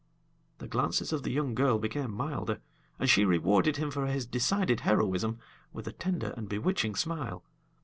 The glances of the young girl became milder, and she rewarded him for his decided heroism with a tender and bewitching smile.